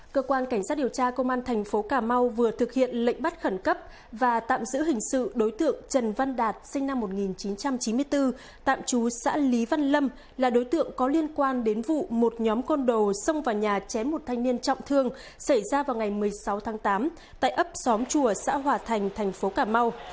cơ quan cảnh sát điều tra công an thành phố cà mau vừa thực hiện lệnh bắt khẩn cấp và tạm giữ hình sự đối tượng trần văn đạt sinh năm một nghìn chín trăm chín mươi bốn tạm trú xã lý văn lâm là đối tượng có liên quan đến vụ một nhóm con đồ xông vào nhà chém một thanh niên trọng thương xảy ra vào ngày một mươi sáu tháng tám tại ấp xóm chùa xã hòa thành thành phố cà mau